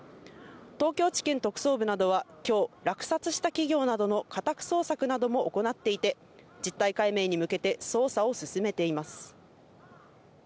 東京地検特捜部などは今日、落札した企業などの家宅捜索なども行っていて、実態解明に向けて捜査を進めています。